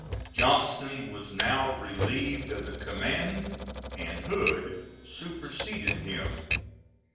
Johnston was now relieved of the command, and Hood superseded him.